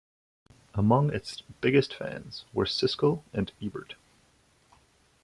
Among its biggest fans were Siskel and Ebert.